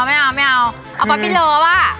ไม่เอาเอาป๊อปปี้เลิฟอะ